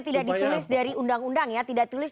tidak ditulis dari undang undang ya tidak tulis